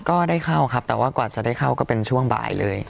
ก็ได้เข้าครับแต่ว่ากว่าจะได้เข้าก็เป็นช่วงบ่ายเลย